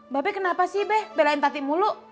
mbak be kenapa sih be belain tati mulu